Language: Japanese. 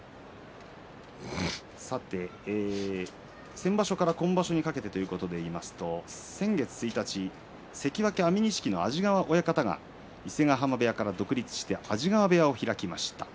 先場所から今場所にかけてということで言いますと先月１日関脇安美錦の安治川親方が伊勢ヶ濱部屋から独立して安治川部屋を開きました。